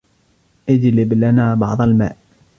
اجلب لنا بعض الماء.